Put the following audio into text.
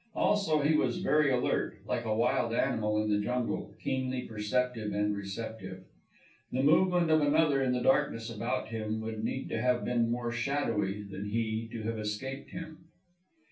Also he was very alert, like a wild animal in the jungle, keenly perceptive and receptive. The movement of another in the darkness about him would need to have been more shadowy than he to have escaped him.